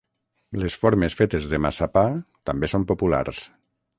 Les formes fetes de massapà també són populars.